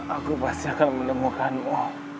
aku pasti akan menemukanmu